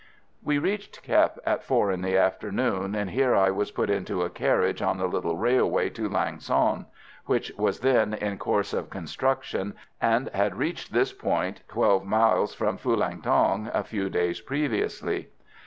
We reached Kep at four in the afternoon, and here I was put into a carriage on the little railway to Lang son, which was then in course of construction, and had reached this point, 12 miles from Phulang Thuong, a few days previously.